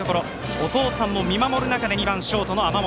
お父さんも見守る中で２番ショートの天本。